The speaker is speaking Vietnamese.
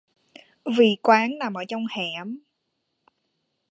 Vì quán nằm ở trong hẻm